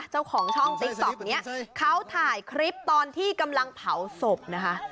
เจ้าของช่องติ๊กต๊อกนี้เขาถ่ายคลิปตอนที่กำลังเผาศพนะคะ